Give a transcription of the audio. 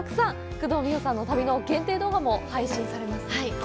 工藤美桜さんの旅の限定動画も配信します。